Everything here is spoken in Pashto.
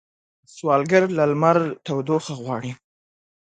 سوالګر له لمر تودوخه غواړي